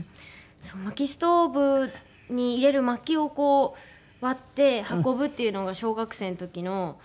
まきストーブに入れるまきを割って運ぶっていうのが小学生の時の。